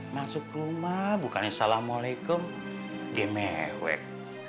masuk rumah bukannya salamualaikum dia mewek